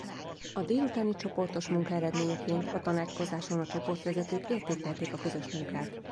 A délutáni csoportos munka eredményeként a tanácskozáson a csoportvezetők értékelték a közös munkát.